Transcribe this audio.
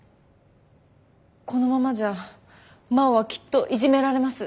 このままじゃ真央はきっとイジめられます。